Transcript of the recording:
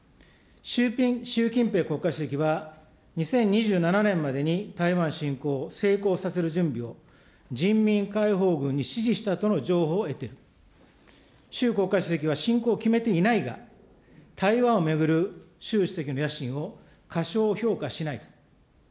習近平国家主席は、２０２７年までに台湾しんこうを成功させる準備を、人民解放軍に指示したとの情報を得て、習国家主席はしんこうを決めていないが、台湾を巡る習主席の野心を過小評価しないと。